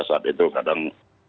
saat itu kadang